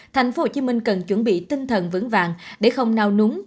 tp hcm cần chuẩn bị tinh thần vững vàng để không nao núng